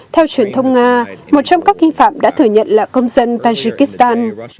theo truyền thông nga một trong các nghi phạm đã thừa nhận là công dân tajikistan